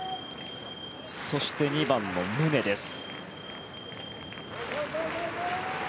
そして２番の宗です。